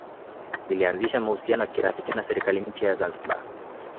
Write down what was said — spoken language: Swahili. Zilianzisha mahusiano ya kirafiki na serikali mpya ya Zanzibar